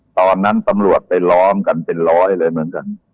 ตอนนั้นตำรวจไปล้อมกันเป็นร้อยเลยเหมือนกัน